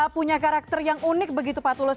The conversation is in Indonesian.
punya karakter yang unik begitu pak tulus